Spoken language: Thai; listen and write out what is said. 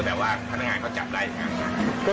แปลว่าพนักงานเขาจับได้อย่างนั้น